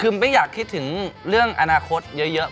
คือไม่อยากคิดถึงเรื่องอนาคตเยอะ